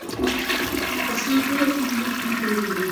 که سټاپ واچ وي نو وخت نه تېریږي.